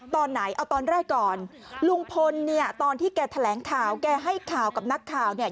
ตอนไหนเอาตอนแรกก่อนลุงพลเนี่ยตอนที่แกแถลงข่าวแกให้ข่าวกับนักข่าวเนี่ย